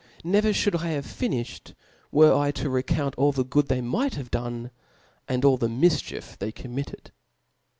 Never (hoiild I hare finffiied, were to recount all the good they might have done, ^nd all the mifchief they commiteed.